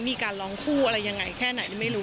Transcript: มีการร้องคู่อะไรยังไงแค่ไหนไม่รู้